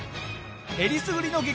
えりすぐりの激